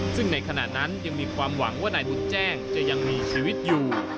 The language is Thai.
ซึ่งในขณะนั้นยังมีความหวังว่านายบุญแจ้งจะยังมีชีวิตอยู่